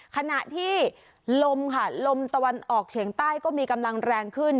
ขณะที่ลมค่ะลมตะวันออกเฉียงใต้ก็มีกำลังแรงขึ้น